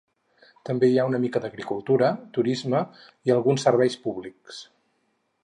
També hi ha una mica d'agricultura, turisme i alguns serveis públics.